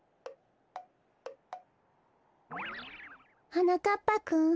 はなかっぱくん。